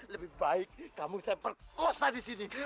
lebih baik kamu saya perkosa di sini